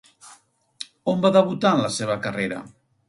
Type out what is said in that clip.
On va debutar en la seva carrera?